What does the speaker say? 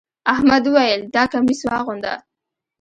احمد وويل: دا کميس واغونده.